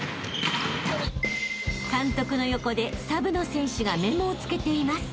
［監督の横でサブの選手がメモをつけています］